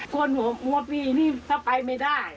คนหัวปีนี่สบายไม่ได้